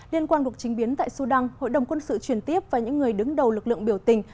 liên quan cuộc trình biến tại sudan hội đồng quân sự truyền tiếp và những người đứng đầu lực lượng biểu tình